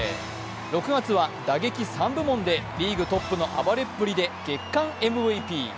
６月は打撃３部門でリーグトップの暴れっぷりで月間ＭＶＰ。